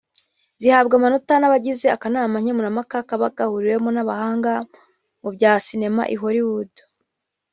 zihabwa amanota n’abagize akanama nkemurampaka kaba gahuriwemo n’abahanga mu bya sinema i Holly Wood